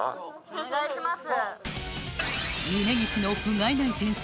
お願いします！